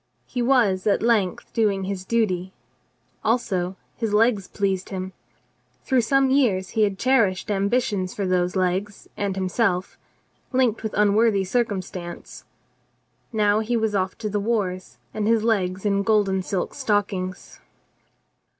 He was at length doing his duty. Also his legs pleased him. Through some years he had cherished ambitions for those legs and himself, linked with unworthy cir cumstance. Now he was off to the wars and his legs in golden silk stockings.